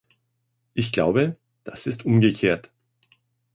Ich glaube, das ist umgekehrt.